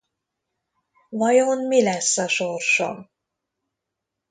Vajon mi lesz a sorsom?